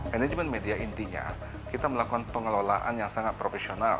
manajemen media intinya kita melakukan pengelolaan yang sangat profesional